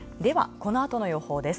このあとの予報です。